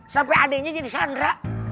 sampe adeknya jadi sandra